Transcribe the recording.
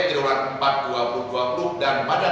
kiloran empat dua ribu dua puluh dan pada